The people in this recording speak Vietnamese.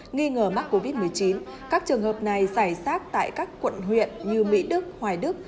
nghi ngờ mắc covid một mươi chín các trường hợp này giải sát tại các quận huyện như mỹ đức hoài đức